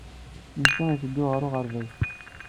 Netta yetteddu ɣer uɣerbaz.